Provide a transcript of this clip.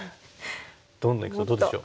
どんどんいくとどうでしょう？